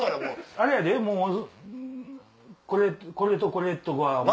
あれやでこれとこれ！とか。